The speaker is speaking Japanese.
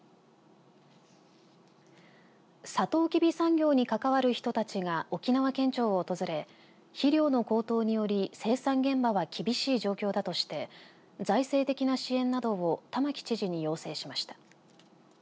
さとうきび産業に関わる人たちが沖縄県庁を訪れ肥料の高騰により生産現場は厳しい状況だとして財政的な支援などを玉城知事に要請しました。